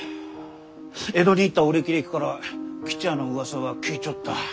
江戸に行ったお歴々から吉也のうわさは聞いちょった。